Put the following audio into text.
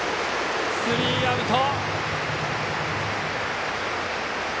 スリーアウト。